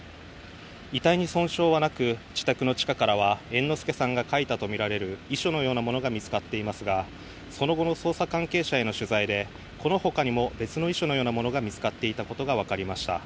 遺体に損傷はなく自宅の地下からは猿之助さんが書いたとみられる遺書のようなものが見つかっていますがその後の捜査関係者への取材でこのほかにも別の遺書のようなものが見つかっていたことがわかりました。